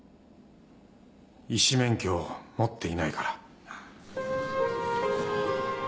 医師免許を持っていないから。